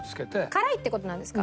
辛いって事なんですか？